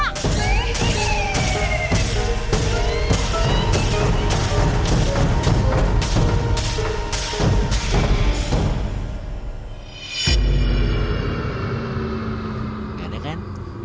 gak ada kan